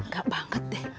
gak banget deh